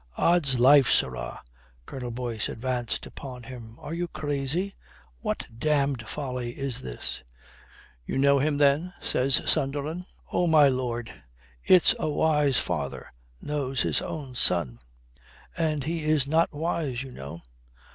"Od's life, sirrah." Colonel Boyce advanced upon him. "Are you crazy? What damned folly is this?" "You know him then?" says Sunderland. "Oh, my lord, it's a wise father knows his own son. And he is not wise, you know.